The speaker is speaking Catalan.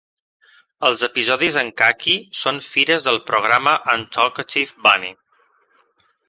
Els episodis en caqui són fires del programa Untalkative Bunny.